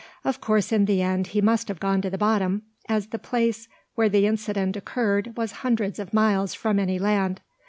Of course, in the end, he must have gone to the bottom, as the place where the incident occurred was hundreds of miles from any land.